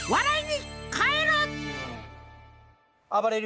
あばれる